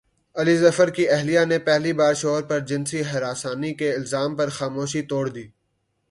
علی ظفر کی اہلیہ نے پہلی بار شوہر پرجنسی ہراسانی کے الزام پر خاموشی توڑ دی